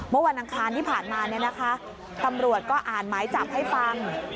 วันอังคารที่ผ่านมาเนี่ยนะคะตำรวจก็อ่านหมายจับให้ฟัง